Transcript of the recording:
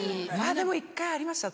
でも一回ありました私。